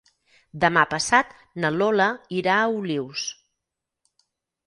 Demà passat na Lola irà a Olius.